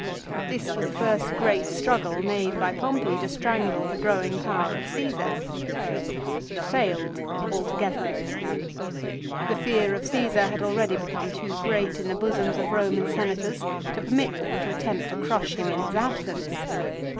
This was the first great struggle made by Pompey to strangle the growing power of Csesar. It failed altogether. 1 The fear of Caesar had already become too great in the bosoms of Roman Senators to permit them to attempt to crush him in his absence.